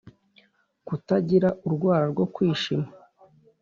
kutagira urwara rwo kwishima